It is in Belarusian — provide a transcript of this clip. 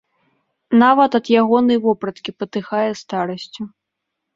Нават ад ягонай вопраткі патыхае старасцю.